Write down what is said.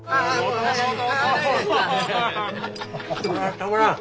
たまらん！